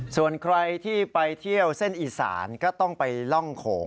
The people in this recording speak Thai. ส่วนใครที่ไปเที่ยวเส้นอีสานก็ต้องไปล่องโขง